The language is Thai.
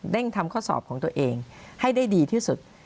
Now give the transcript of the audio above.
ทำข้อสอบของตัวเองให้ได้ดีที่สุด